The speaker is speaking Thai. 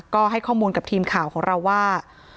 ก็ให้ข้อมูลกับทีมข่าวของเราว่า